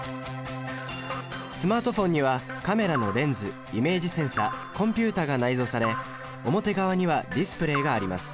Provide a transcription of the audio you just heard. スマートフォンにはカメラのレンズイメージセンサコンピュータが内蔵され表側にはディスプレイがあります。